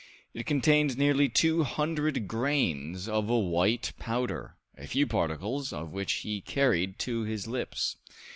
It contained nearly two hundred grains of a white powder, a few particles of which he carried to his lips.